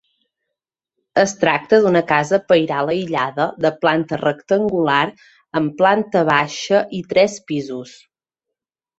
Es tracta d'una casa pairal aïllada de planta rectangular amb planta baixa i tres pisos.